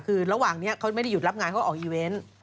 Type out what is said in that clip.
คือระหว่างนี้เขาไม่ได้หยุดรับงานเขาออกอีเวนต์